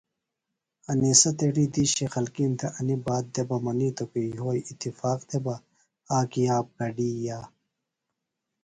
انسہ تیݨی دِیشی خلکِیم تھےۡ انیۡ بات دےۡ بہ منِیتو کی یھوئی اتفاق تھےۡ بہ آک یاب گڈِیا۔